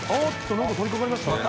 何か取りかかりましたね。